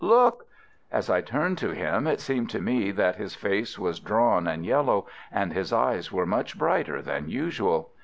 look!' As I turned to him it seemed to me that his face was drawn and yellow, and his eyes were much brighter than usual.